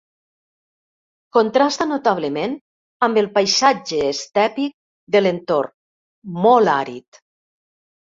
Contrasta notablement amb el paisatge estèpic de l'entorn, molt àrid.